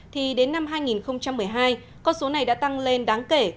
thì đến năm hai nghìn một mươi hai con số này đã tăng lên đáng kể